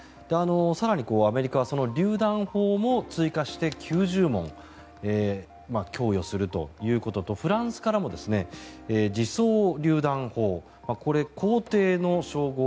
更にアメリカはりゅう弾砲も追加して９０門供与するということとフランスからも自走りゅう弾砲皇帝の称号